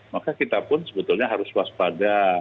maka kita pun sebetulnya harus waspada